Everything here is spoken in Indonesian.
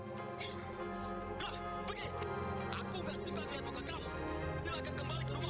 aku gak suka lihat muka kamu silahkan kembali ke rumah orang tua